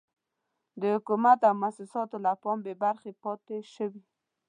د حکومت او موسساتو له پام بې برخې پاتې شوي.